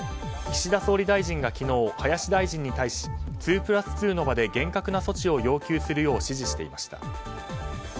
岸田総理大臣が、昨日林大臣に対し２プラス２の場で厳格な措置を要求するよう指示していました。